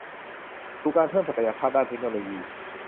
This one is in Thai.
สู่การเพิ่มศักยภาพด้านเทคโนโลยี